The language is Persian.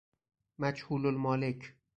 مجهول المالک